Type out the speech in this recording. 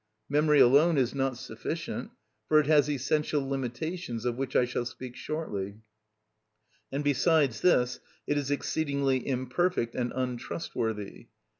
Memory alone is not sufficient, for it has essential limitations of which I shall speak shortly, and besides this, it is exceedingly imperfect and untrustworthy.